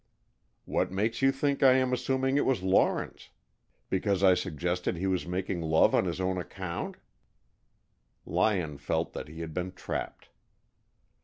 "What makes you think I am assuming it was Lawrence? Because I suggested he was making love on his own account?" Lyon felt that he had been trapped.